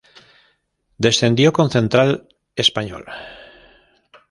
Descendió con Central Español